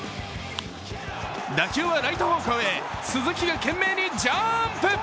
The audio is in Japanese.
打球はライト方向へ、鈴木が懸命にジャンプ！